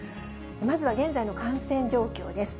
まずは現在の感染状況です。